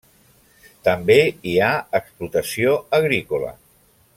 També hi ha explotació agrícola.